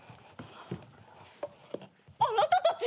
あなたたち。